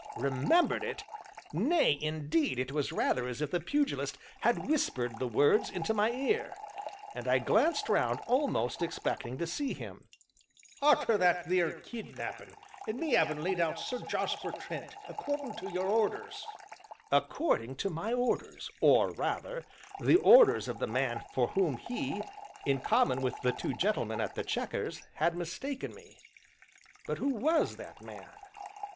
Remembered it? Nay, indeed, it was rather as if the Pugilist had whispered the words into my ear, and I glanced round almost expecting to see him. "Arter that theer kidnappin', an' me 'avin' laid out Sir Jarsper Trent accordin' to yer orders!" According to my orders, or rather, the orders of the man for whom he (in common with the two gentlemen at "The Chequers") had mistaken me. But who was that man?